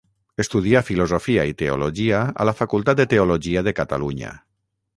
Estudià Filosofia i Teologia a la Facultat de Teologia de Catalunya.